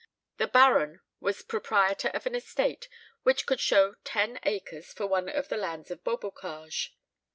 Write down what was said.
The Baron was proprietor of an estate which could show ten acres for one of the lands of Beaubocage.